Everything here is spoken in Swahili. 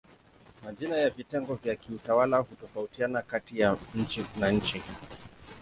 Majina ya vitengo vya kiutawala hutofautiana kati ya nchi na nchi.